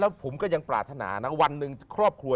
ผมก็ยังปรารถนานะวันหนึ่งครอบครัว